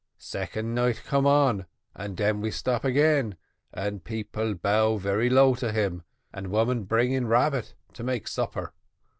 Second night come on, and den we stop again, and people bow very low to him, and woman bring in rabbit for make supper.